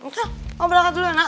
nanti aku belakang dulu ya nak